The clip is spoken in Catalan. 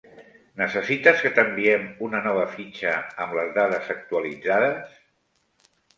Necessites que t'enviem una nova fitxa amb les dades actualitzades?